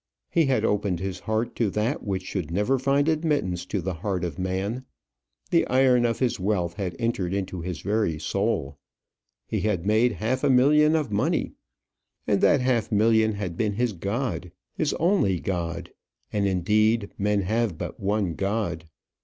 He had opened his heart to that which should never find admittance to the heart of man. The iron of his wealth had entered into his very soul. He had made half a million of money, and that half million had been his god his only god and, indeed, men have but one god.